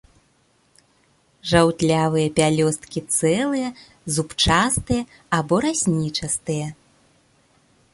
Жаўтлявыя пялёсткі цэлыя, зубчастыя або раснічастыя.